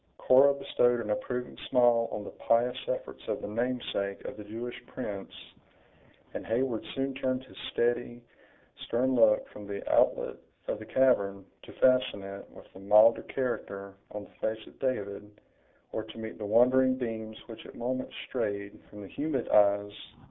Cora bestowed an approving smile on the pious efforts of the namesake of the Jewish prince, and Heyward soon turned his steady, stern look from the outlet of the cavern, to fasten it, with a milder character, on the face of David, or to meet the wandering beams which at moments strayed from the humid eyes of Alice.